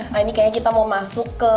nah ini kayaknya kita mau masuk ke